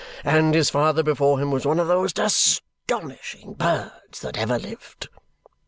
And his father before him was one of the most astonishing birds that ever lived!"